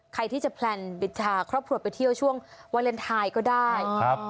ใครที่จะแพลนบิทาครอบครัวไปเที่ยวช่วงวาเลนไทยก็ได้ครับ